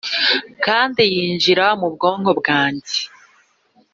kandi yinjira mu bwonko bwanjye